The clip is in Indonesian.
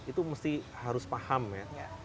itu mesti harus paham ya